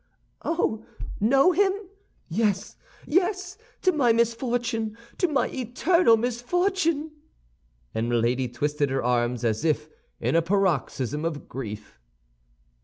"Oh, know him? Yes, yes! to my misfortune, to my eternal misfortune!" and Milady twisted her arms as if in a paroxysm of grief.